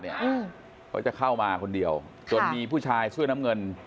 เขาจะเข้ามาคนเดียวจนมีผู้ชายเสื้อน้ำเงิน